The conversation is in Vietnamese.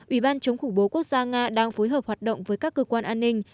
ủy ban chống khủng bố quốc gia nga đang phối hợp hoạt động với các cơ quan an ninh